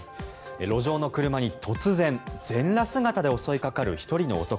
路上の車に突然、全裸姿で襲いかかる１人の男。